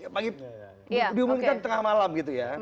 pagi diumumkan tengah malam gitu ya